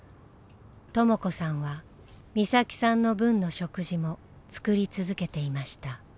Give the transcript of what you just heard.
とも子さんは美咲さんの分の食事も作り続けていました。